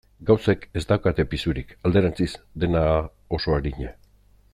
Gauzek ez daukate pisurik, alderantziz, dena da oso arina.